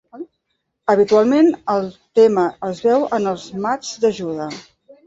Habitualment, el tema es veu en els mats d'ajuda.